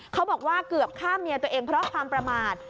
เขาบอกว่าเกือบฆ่าเมียตัวเองเพราะความประมาท